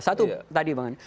satu tadi bang an